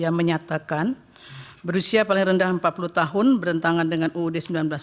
yang menyatakan berusia paling rendah empat puluh tahun bertentangan dengan uud seribu sembilan ratus empat puluh